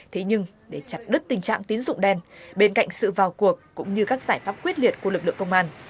thế nhưng để chặt đứt tình trạng tín dụng đen bên cạnh sự vào cuộc cũng như các giải pháp quyết liệt của lực lượng công an